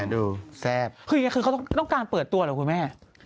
ดูแซ่บคืออย่างนี้คือเขาต้องการเปิดตัวเหรอคุณแม่